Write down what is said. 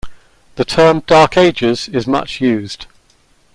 The term 'Dark Ages' is much used.